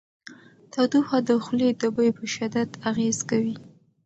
تودوخه د خولې د بوی په شدت اغېز کوي.